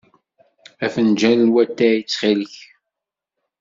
Afenǧal n watay, ttxil-k.